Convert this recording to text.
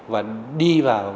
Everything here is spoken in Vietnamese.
và đi vào